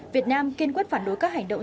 việt nam kiên quyết phản đối các hành động